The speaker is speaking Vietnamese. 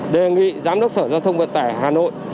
đề nghị giám đốc sở giao thông vận tải hà nội